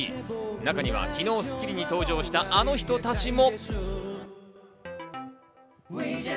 中には昨日『スッキリ』に登場したあの人たちも。